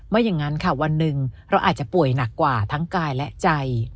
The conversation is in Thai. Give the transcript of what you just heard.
อย่างนั้นค่ะวันหนึ่งเราอาจจะป่วยหนักกว่าทั้งกายและใจ